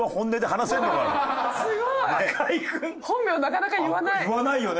本名なかなか言わない。